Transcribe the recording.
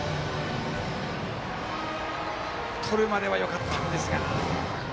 とるまではよかったんですが。